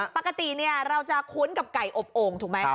ปกติเราจะคุ้นกับไก่อบโอ่งถูกไหม